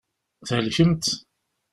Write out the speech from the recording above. Thelkemt?